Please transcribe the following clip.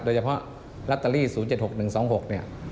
โดยเฉพาะลอตเตอรี่๐๗๖๑๒๖เนี่ย